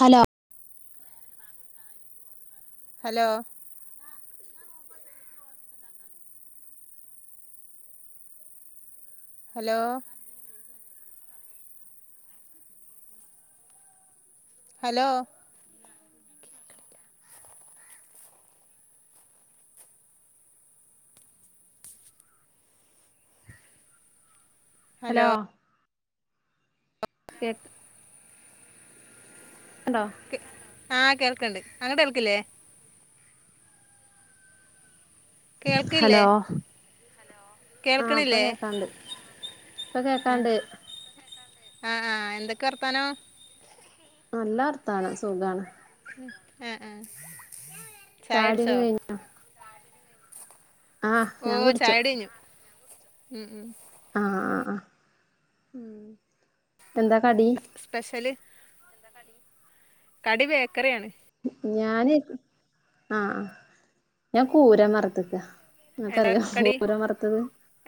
Hello hello hello hello hello കേക് ക്ണ്ടോ ആ കേൾക്കണ്ട് അങ്ങട്ട് കേൾക്കില്ലേ കേൾക്കില്ലേ ആ ഇപ്പ കേൾക്കണില്ലേ കേക്കാണ്ട് ഇപ്പ ആ കേക്കാണ്ട് ആ ആ എന്തൊക്കെ വർത്താനം നല്ലർ ത്താനം സുഖാണ് എ എ ചായുടിക്കെ കഴിഞ്ഞോ ആഹ് ഓ ഞാൻ കുടിച്ചു ചായുടി യ്ഞ്ഞു ഉ ഉം ആ ആ ആ ഉം എന്താ കടി സ്പെഷ്യല് കടി ബേക്കറിയാണ് ഞാൻ ആ ആ ഞാൻ കൂരം വറത്ത്ക്കാ എന്താ കടി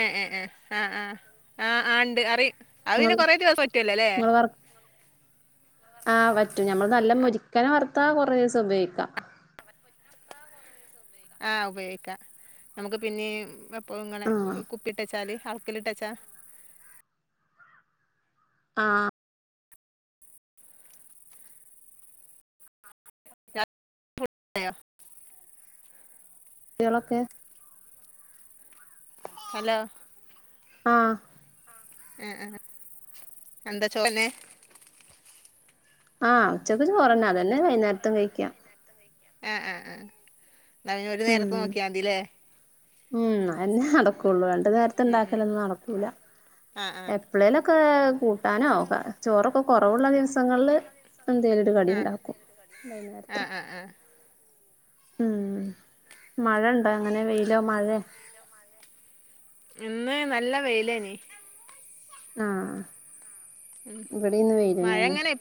ഏ ഏ ഏ ആ ആ ആ ആ ഇണ്ട് അറിം അവിന്നെ ഇങ്ങള് കൊറെ ദിവസം പറ്റല്ലോ ല്ലേ ഇങ്ങള് വർ ആഹ് പറ്റും ഞമ്മള് നല്ല മുരിക്കന വറുത്താ കുറേ ദിവസം ഉപയോഗിക്കാം ആഹ് ഉപയോഗിക്കാ നമുക്ക് പിന്നീം [unintelligible] പ്പളും ഇങ്ങനെ ആഹ് കുപ്പിട്ട് വച്ചാല് അൾക്കിലിട്ടച്ചാ ആ കുട്ടികളൊക്കെ ഹലോ ആ ആ ആ എന്താ ചോറിനു ആ ഉച്ചക്ക് ചോറുതനെന്ന അതന്നെ വൈകുന്നേരത്തും കഴിക്ക്കാ ആ ആ എന്നാ ഇനി ഒരു നേരത്തെ ഉം നോക്കിയാ മതില്ലേ ഉം എന്നെ നടക്കും ഉള്ളൂ രണ്ട് നേരത്തെ ഉണ്ടാക്കലൊന്നും നടക്കൂല ആഹ് ആഹ് എപ്പഴേലുംമൊക്കെ കൂട്ടാനോ ആ ചോറൊക്കെ കുറവുള്ള ദിവസങ്ങളില് എന്തേലും ഒരു കടി ആഹ് ഉണ്ടാക്കും വൈകുന്നേരത്ത ആഹ് ആഹ് ആഹ് ഉം മഴണ്ടോ അങ്ങനെ വെയിലോ മഴയോ ഇന്ന് നല്ല വെയിലാണ് ആ ഇവിടേന്ന് വെയിലാണ് മഴ ഇന്നു ഇങ്ങനെ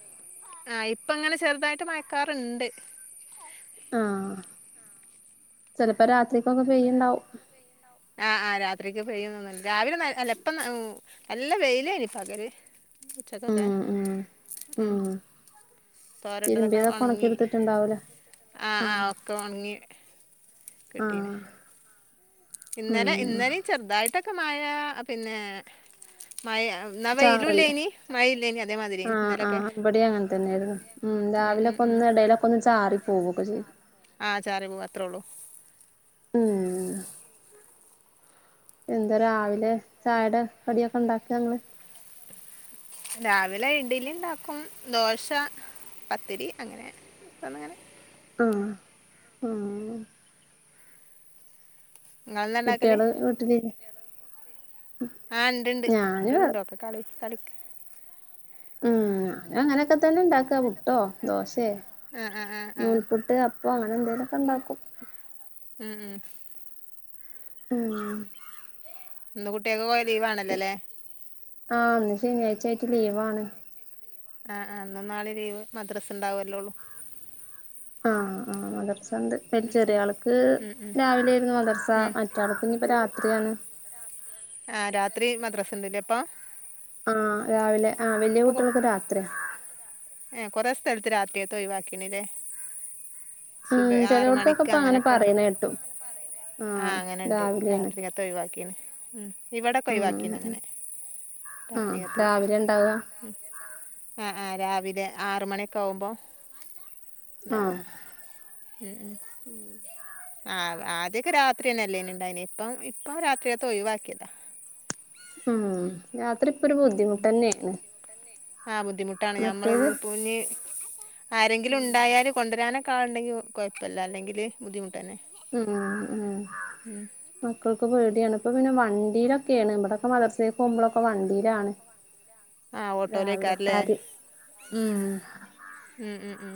ആഹ് ഇപ്പ അങ്ങനെ ചെറുതായിട്ട് മഴാക്കാറുണ്ട് ആ ചിലപ്പോ രാത്രിക്ക് ചിലപ്പോ രാത്രിലത്തേക്കുയൊക്കെ പെയ്യുണ്ടാവും ആഹ് ആ രാത്രിക്ക് പെയ്യുന്ന ഒന്നും രാവിലെ അല്ല ഇപ്പം നല്ല വെയിൽ ഇനി പകൽ ഉച്ചക്കൊക്കെ ഉം ഉം ഉം തോരടത്തുതൊക്കെ തിരുമ്പിയതൊക്കെ ഉണക്കി ഉണങ്ങി എടുത്തിട്ടുണ്ടാവൂലേ ആ ആ ആഹ് ഓക്കെ ഉണങ്ങി കിട്ടിന് ആഹ് ഇന്നലെ ഉം ഇന്നലെയും ചെറുതായിട്ടൊക്കെ വ്യക്തമായ പിന്നെ മഴ എന്നാ വെയിലുമില്ല ചാറല്ലേ ഇനി മഴയില്ല ഇനി അതേമാതിരി ആം ആ ഇന്നലൊക്കെ അവിടെ അങ്ങനെ തന്നെയായിരുന്നു ഉം ഉം, രാവിലെൊക്കെ ഉം. ഒന്ന് ഇടയിലൊക്കെ ഒന്ന് ചാറി പോകും കു ചെയ [inaudible] ആ ചറിപോകല്ല് അത്രേള്ളു ഉം... എന്താ രാവിലെ ചായടെ കടിയൊക്കെ ഉണ്ടാക്കി നീങ്ങൾ രാവിലെ ഇഡലി ഉണ്ടാക്കും ദോശ, പത്തിരി അങ്ങനെന്ന ഇങ്ങനെ ആം ആം നിങ്ങളുയേന്ന ഉണ്ടാകാൽ കുട്ടികള് വീട്ടിലില്ലേ ആ ഇണ്ട് ഇണ്ട് ഞാന് ഇട്ടണ്ട്ോക്കെ കളി കടുക്ക് ഉം അങ്ങനെയൊക്കെ തന്നെ ഇണ്ടാക്കുക പുട്ടോ ദോശയെ ആം ആ ആ ആ അപ്പൊ അങ്ങനെ എന്തേലുമൊക്കെ ഉണ്ടാക്കും ഉം ഉം ഉം..... ഇന്നു കുട്ടികൾക്കുയൊക്കെ ലീവ് ആണല്ലോല്ലേ ആഹ് ഒന്ന് ശനിയാഴ്ചായിട്ട് ലീവാണ് ആ ഇന്നുന്നാള്ളയും ലീവ് മദ്രസ് ഉണ്ടാവല്ലോള്ളു ആം.. ആ മദ്രസ ചെറിയ ആൾക്ക് ഉം, ഉം, രാവിലെ ആയിരുന്നു മദ്രസ ഉം. മറ്റാൾക്ക് ഇനിയിപ്പോ എത്രയാണ് ആഹ് രാത്രി മദ്രാസണ്ട് ല്ലെ പ്പം ആഹ് രാവിലെ ആ വല്ല്യ ഇപ്പോൾ കുട്ടിൾക്ക് രാത്രിയ ഏഹ് കൊറെ സ്ഥലത്ത് രാത്രിയത്ത ഒഴിവാക്കിണ്ല്ലേ ഉം ചിലവിടത്തൊക്കെ ഇപ്പ അങ്ങനെ പറയുന്ന കേട്ടും ആഹ് അങ്ങനെണ്ട് രാവിലെണ് രാത്രികത്തെ ഒഴിവാക്കീണ് ഉം ഇവിടെക്കെ ഒഴിവാക്കിന്ന അങ്ങനെ ആഹ് രാത്രിക്കത് രാവിലെ ഇണ്ടാവുക ആഹ് ആഹ് രാവിലെ ലെ ആറു മണിയൊക്കെ ആവുമ്പോ ണ്ടാവാ ആഹ് മ് മ് ആഹ് ആദ്യൊക്കെ രാത്രി തന്നെ അല്ലേനിണ്ടായന് ഇപ്പം ഇപ്പം രാത്രിയത്തെ ഒയിവാക്കിയതാ ഉം രാ അത്ര ഇപ്പൊ ഒരു ബുദ്ധിമുട്ട് തന്നെയാണ് ആഹ് ബുദ്ധിമുട്ടാണ് ഞമ്മൾ മറ്റേത് ഇപ്പോനി ആരെങ്കിലുണ്ടായാൽ കൊണ്ടരനോ ക്കാളുണ്ടെങ്കി കൊയപ്പല്ല അല്ലെങ്കില് ബുദ്ധിമു ഉം ഉം മക്കൾ ക്ക് പേടിയാണ് ഇപ്പോപ്പിന്നെ വണ്ടിലിക്കെയാണ് ഇവിടൊക്കെ മദ്രസേ പോവുമ്പോളൊക്കെ വണ്ടീലാണ് ആഹ് രാവിലെ ഓട്ടോയിലേക്കാരല്ലേ പാല് ഉം ഉം ഉം ഉം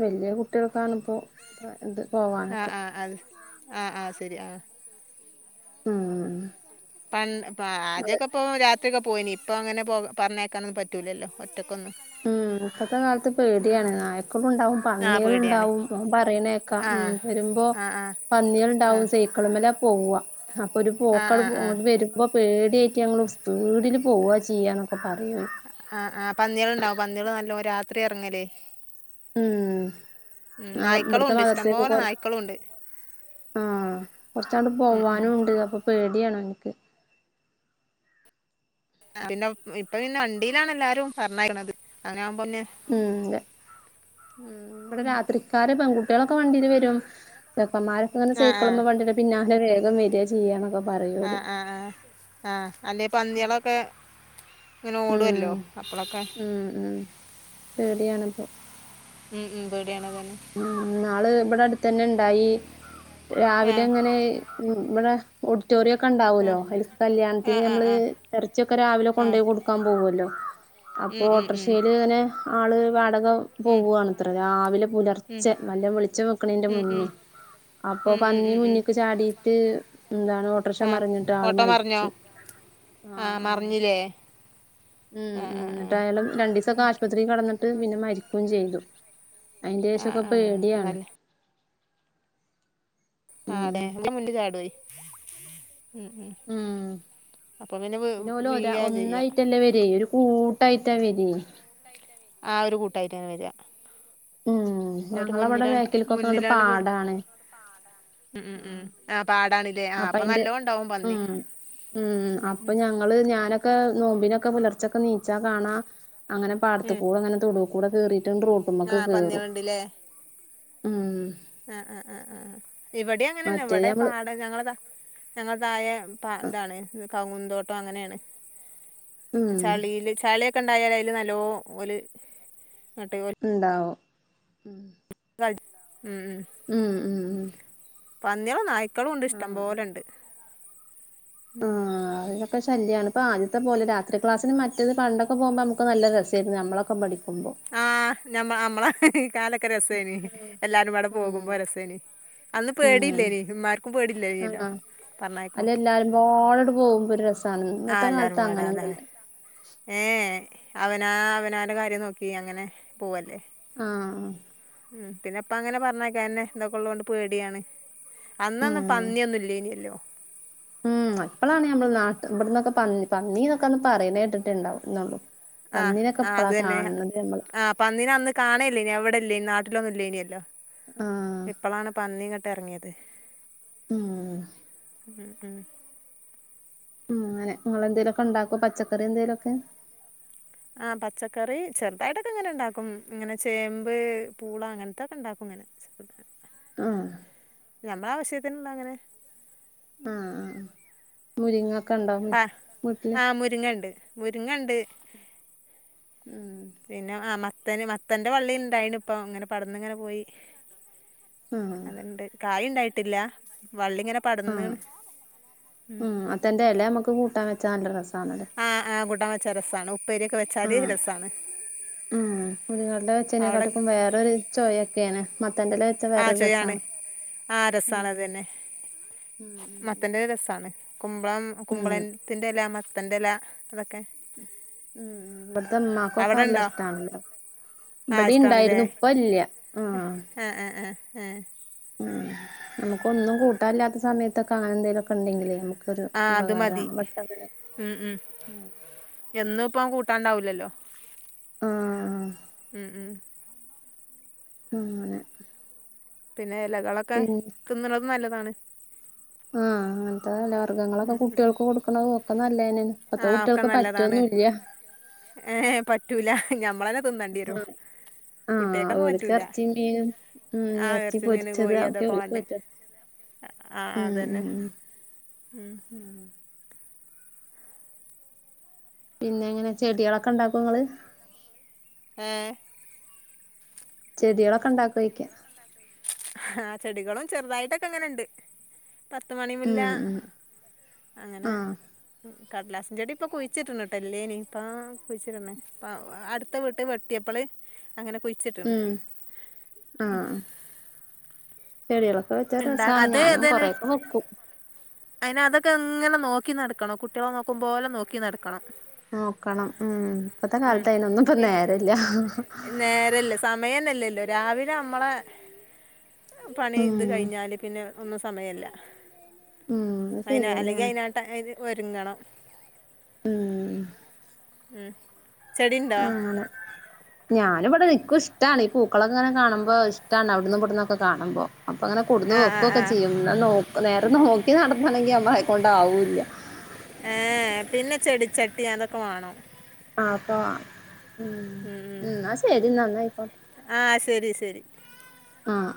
വല്ല്യ കുട്ട്യാളെ കാണുമ്പോ പ്പ ണ്ട് ആഹ് പോവാനൊക്കെ ആഹ് അത് ആഹ് ആഹ് ശെരി ആഹ് ഉം ആ ആദ്യോക്കെപ്പോ രാ ത്രി ഒക്കെ പോയിനി ഇപ്പൊങ്ങനെ പോക പറഞ്ഞയക്കാനൊന്നും പറ്റൂലല്ലോ ഒറ്റ മ് ഇപ്പത്തെ കാലത്ത് പേടിയാണ്. നായിക്കളുണ്ടാവും ആ പേടിയാണ് പന്നിയള്ണ്ടാവും ഉം പറയണെക്ക ആ മ് വരുമ്പോ ആ ആ ആ പന്നിയൾണ്ടാവും സൈക്കൾമല പോവ്വ. അപ്പൊരു ആ പോക്കാണ് ആ പോ ആ ഇങ്ങട്ട് വര്മ്പം. പേടിയായിറ്റ് ഞങ്ങള് ഉസ് പീട്ല് പോവ്വാ ചെയ്യാന്ന്. ആ അ പന്നിയാൾണ്ടാവും. പന്നിള് നല്ലോ രാത്രിയെറങ്ങല്. ഉം ഞങ്ങളെ നായ്ക്കളും ഇബ്ടത്തെ ഉണ്ട് മദ്രസ്സേക്ക് ഇഷ്ടംപോലെ കൊറേ നായ്ക്കളും ഉണ്ട് ആ കൊറച്ചാണ്ട് ഉം, ഉം. പോവാനുണ്ട് അപ്പോ പേടിയാണോനിക്ക്. പിന്നെ ഇപ്പോ പിന്നെ വണ്ടീലാണ് എല്ലാരും പറഞ്ഞയക്കണത് [unintelligible] ഉം ഇബടെ രാത്രികാരെ പെ കുട്ട്യളൊക്കെ വണ്ടീൽ വരും ചെ ക്കമ്മാരൊക്കെ ഇങ്ങനെ ആ ആ സൈക്കൾമേ വണ്ടിന്റെ പിന്നാ വേഗം വരാ ചെയ്യാന്നൊക്കെ പ ആ ആ ആ ആ അല്ലെ പന്നിയാളൊക്കെ ഉം ഉം ഉം പേടിയാണപ്പോ. ഉം ഉം പേടി യാണതന്നെ. ഇവിടെ ത്തന്നെണ്ടായി രാവിലങ്ങനെ ഉം ഇവിടെ ഡിറ്റോറിയം ഒക്കെ ആ ഉണ്ടാവുമല്ലോ അതിക്ക് ആ കല്യാണത്തിന് ആ നമ്മള് ആ എറച്ചിയൊക്കെ രാവിലെ ആ കൊണ്ടുപോയി കൊടുക്കാൻ പോകുമല്ലോ ഉം അപ്പോൾ ഉം ഉം ഓട്ടോറിക്ഷേൽ ഇങ്ങനെ ആള് വാട ഉം പോവ്വാണ് ഇത്ര രാവിലെ പുലർ ചെ നല്ല വെളിച്ചം വെക്കണീന്റെ ഉം ഉം മുന്നേ അപ്പൊ ഉം ഉം പന്നി ഉം ഉം മുന്നിക്ക് ചാടീട്ട് എന്താണ് ഓട്രക്ഷ ആ മറിഞ്ഞിട്ട് ആള് ഓട്ടോ മറിഞ്ഞോ മരിച്ചു ആ ആ ഉം ആ ഉം ആ ആ എന്നിട്ടയാള് രണ്ടീസൊക്കെ ആശുപത്രിയിൽ കെടന്നി ട്ട് പിന്നെ മരിക്കുകയും ചെയ്തു. അയിന്റെ ആ ശേഷൊക്കെ ആ പേടിയാണ്. നല്ല ആ ഉം അതെ എന്റെ മുന്നിൽ [unintelligible] ഉം ഉം അപ്പം വീ പിന്നെ ഓല് ഒ വീഴാ ചെയ്യാ ഒന്നായിട്ടല്ല വരേ ഒരു കൂ ട്ടായിറ്റാ വരി. ആ ഒരു കൂട്ടായിട്ടാണ് വരിക. ഉം ഓര് ഞങ്ങളവിടെ മുന്നിലാണ് ബേക്കിൽക്കൊക്കെ അങ്ങട് മുന്നിലാണ് പെടും പാടാണ് ഉം ഉം ആ പാടാണ്. അപ്പോ അതിന്റെ ഉം ഉം അപ്പോ ഞങ്ങള് ഞാനൊക്കെ നോമ്പിനൊക്കെ പുലർച്ചക്ക് എണിച്ചാ കാണാ അങ്ങനെ ഉം പാടത്തുക്കൂടങ്ങനെ തോടും ഇവിടെ കേറി രണ്ടു റൂമൊക്കെ ആ കേറും. ഉം ആ ആ ആ ഇവിടെ അങ്ങനെ തന്നെ മറ്റേത് ഇവിടെ ഞമ്മള് പാടെ ഞങ്ങളിത ഞങ്ങള തായെന്താണേ കൗതോട്ടങ്ങനെയാണ് ഉം ചാളീല് ചളി തണ്ടായാലേ നല്ലോണം ഇണ്ടാവും ഉം കളി ഉം ഉം ഉം പന്നികളെ നായ് കളുണ്ട് ഇഷ്ട്ടം ആഹ് പോലുണ്ട് ഉം അതൊക്കെ ശല്യണ് ഇപ്പോ ആദ്യത്തെ പോലെ രാത്രി ക്ലാസിനും മറ്റും പണ്ടൊക്കെ പോമ്പം നമുക്ക് നല്ല രസായിരുന്നു നമ്മളൊക്കെ പഠിക്കുമ്പോ ആഹ് ഞമ്മള അമ്മള് കാലൊക്കെ രസേനി ആഹ് എല്ലാവരും പാടെ ഉം പോകുമ്പോ രസേനി അന്ന് ഉം പേടില്ലേനിം ഇമ്മാർക്കും പേടില്ലനില്ലോ ആഹ് പറഞ്ഞയക്കും അല്ല എല്ലാരുംപാടട് പോകുമ്പോ ഒരു രസാണ് ആ ഇന്നത്തെ എല്ലിരും കാലത്ത് പാടെല്ലെ അങ്ങനൊന്നുല്ല ഏ അവനോൻ അവനോൻ്റെ കാര്യം നോക്കി അങ്ങനെ പോവല്ലേ ആഹ് ഉം പിന്നെപ്പ അങ്ങനെ പറഞ്ഞ അയക്കാനന്നെ ഇതൊക്കെള്ളോണ്ട് പേടിയാണ് അന്ന് ഒന്നും ഉം പന്നിന്നൊന്നും ഇല്യാനില്ലോ ഉം അപ്പളാണ് ഞമ്മള് നാട്ട് ബട്ന്ന്ക്കെ പന്ന് പന്നീന്നൊക്കന്ന് പറയുന്നേട്ടിട്ട്ണ്ടാവും ന്നൊള്ളൂ ആഹ് ആഹ് അതെന്നെ ആഹ് പന്നിനെ അന്ന് കാണേല്ല ഞാവിടെ ഇല്ലേനിം നാട്ടിലൊന്നും ഇല്ലേനിയല്ലോ ആഹ് ഇപ്പളാണ് പന്നി ക എറങ്ങിയത് ഉം ഉം ഉം ഉം ഇങ്ങനെ ഇങ്ങളെന്തേലും ഒക്കെ ഇണ്ടാക്കോ പച്ചക്കറി എന്തേലുക്കെ ആഹ് പച്ചക്കറി ചെറുതായിട്ടൊക്കെ ഇങ്ങനെ ഇണ്ടാക്കും ഇങ്ങനെ ചേമ്പ് പൂള അങ്ങനെത്തൊക്കെ ഇണ്ടാക്കും ഇങ്ങനെ ആ നമ്മളാവശ്യത്തിള്ളങ്ങനെ ആ ആ ആ മുരിങ്ങ- ആ ആ മുരിങ്ങണ്ട് മുരിങ്ങണ്ട് ഉം പിന്നെ അമ ത്തന് മത്തൻ്റെ വള്ളി ഇണ്ടായിനിപ്പോ ഇങ്ങനെ പടർന്നിങ്ങനെ പോയി ആഹ് അത്ണ്ട് കായിണ്ടാ ട്ടില്ല ആഹ് ഉം മത്തൻ്റെ എലമ്മക്ക് കൂട്ടാൻ വെച്ച നല്ലരസാ ആഹ് ആഹ് കൂട്ടാൻ വെ ച്ച രസാണ് ഉ ആഹ് ഉം [unintelligible] വേറെ ഒരു ചൊയക്കാണ് ആഹ് ചെയ്യാണ് ആഹ് രസാണ് ഉം അതെന്നെ മത്തൻ്റെ രസാണ് കുമ്പളം കുമ്പളത്തിൻ്റെ എല മ ത്തൻ്റെ എല ഉം ഉം ബടത്തെ ഇമ്മാക്കൊക്കെ അവിടെ നല്ല ഉണ്ടോ ഇഷ്ടാണ് ആ ബടെം ഇഷ്ടമാണല്ലേ ഇണ്ടായിരുന്നു ഇപ്പ ഇല്ല്യ ആഹ് എഹ് ഏ നമ്മുക്ക് ഒന്നും കൂട്ടാല്ലാത്ത സമയത്തൊക്കെ അങ്ങനെ എന്തേലുക്കെ ഇണ്ടങ്കിലെ നമ്മു ആഹ് അത് മതി ഉം ഉം എന്നു ഇപ്പം കൂട്ടാണ്ടാവൂല്ലല്ലോ ആഹ് ഉം ഉം ഉം അങ്ങനെ പിന്നെ എലകളൊക്കെ തിന്നുന്നതും നല്ല [unintelligible] [unintelligible] ഞങ്ങളൊക്കെ കുട്ടികൾക്ക് കൊടുക്കുന്നത് നല്ലതിന് ഇപ്പോഴത്തെ ആ ഒക്കെ കുട്ടികൾക്ക് പറ്റൊ നല്ലതാണ് ന്നില്ല റ്റൂല നമ് ആ കുട്ടികക്കൊന്നും ഓൽക്ക് പറ്റൂല എർച്ചിയും മീനും എ ആഹ് റച്ചി ഇറച്ചി മീന് പൊരിച്ചത് കോഴി ഒക്കെ അതൊക്കെ ഓല്ക്ക് വാണ്ടേ പറ്റുള്ളൂ. ആഹ് മ് മ് അതന്നെ മ് ഉം [inaudible] പിന്നെങ്ങനെ ചെടികളൊക്കെ ഇണ്ടാക്കോ ഇങ്ങള് ഏ ചെടിളൊക്കെ ഇ ണ്ടാക്കോ യ്ക്ക ആ ചെടികളും ചെറുതായിട്ട് ഒക്കെ ങ്ങനെ ണ്ട് പത്തുമണി മുല്ല ഉം ഉം അങ്ങനെ ആഹ് കടലാസ് ചെടി പ്പം കുഴിച്ചിട്ട് ഇല്ലെനി പ്പം കുയ്ച്ച്ട്ട്ണ് അടുത്ത വീട്ടിൽ വെട്ടിയപ്പോൾ അങ്ങനെ കുഴിച്ചിട്ട്ണ് ഉം ആഹ് ചെടികളൊക്കെ വെച്ചാൽ ഇണ്ടാ രസാണ് അത് ഞാനും ഇതന്നെ കൊറേ ഒക്കെ വയ്ക്കും ഇതൊക്കെ ഇങ്ങനെ നോക്കി നടക്കണം കുട്ടികളെ നോക്കുമ്പോലെ നോക്കി നടക്കണം നോക്കണം ഉം പ്പത്തെ കാലത്ത് അയ്നൊന്നും പ്പം ഉം നേരല്ല. നേരല്ല സമയന്നല്ലല്ലോ രാവിലെ അമ്മളെ പണി ഉം ഇത് കഴിഞ്ഞാല് പിന്നെ ഉമസ് സമയെല്ല ഉം അത് അയിന് അല്ലെങ്കി ശരിയന്നേണ് അയിനാട്ട എത് പ്പൊരുങ്ങണം ഉം ഉം ചെടി ണ്ടോ ന്നാലും വടെ നിക്കുഷ്ട്ടാണ് പൂക്കളൊക്കെ ങ്ങെനെ കാണുമ്പോ ഇഷ്ടാണ് അവിടുന്ന് ഇവിടുന്ന് ഒക്കെ കാണുമ്പൊ അപ്പോൾ അങ്ങനെ കൊടുന്നു ആ ആ വെക്കു ക്കെ ആ ചെയ്യുംന്ന നോക് നേര് ദിർനോ നോക്കി നടതണങ്കി നമ്മളെയ്ക്കൊണ്ടാവുല്ല ഏ ഏ പിന്നെ ചെടിച്ചട്ടി അതൊക്കെ വാണം അപ്പോഅ ഉം എന്നാ ശരി ന്നങ് ഒ ഹ് ആ ശരി ശരി ആഹ്